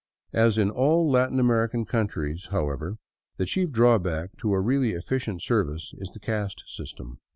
As in all Latin American countries, however, the chief drawback to a really efficient service is the caste system.